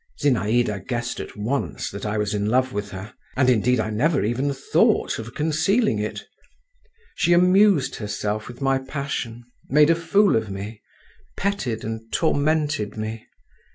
Zinaïda guessed at once that I was in love with her, and indeed I never even thought of concealing it. She amused herself with my passion, made a fool of me, petted and tormented me.